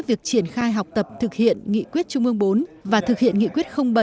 việc triển khai học tập thực hiện nghị quyết trung ương bốn và thực hiện nghị quyết bảy